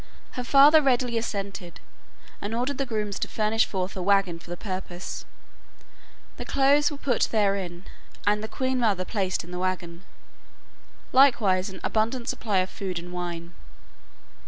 Her father readily assented and ordered the grooms to furnish forth a wagon for the purpose. The clothes were put therein, and the queen mother placed in the wagon, likewise, an abundant supply of food and wine.